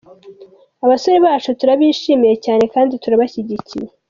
Abasore bacu turabishimiye cyane kandi turabashyigikiye!!!!.